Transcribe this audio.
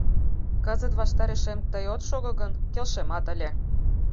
— Кызыт ваштарешем тый от шого гын, келшемат ыле.